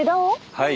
はい。